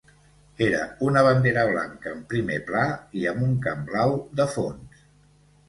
Era una bandera blanca en primer pla i amb un camp blau de fons.